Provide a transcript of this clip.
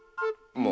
もう。